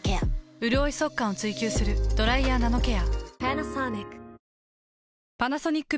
うるおい速乾を追求する「ドライヤーナノケア」。